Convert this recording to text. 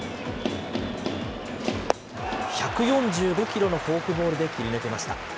１４５キロのフォークボールで切り抜けました。